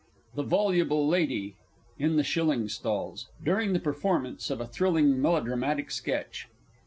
_ THE VOLUBLE LADY in the Shilling Stalls (during the performance of a Thrilling Melodramatic Sketch).